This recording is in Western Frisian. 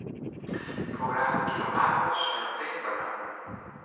Ik wol graach in kilo apels en in pear bananen.